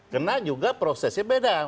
karena juga prosesnya beda